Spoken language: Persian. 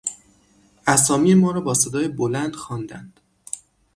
اسامی ما را با صدای بلند خواندند.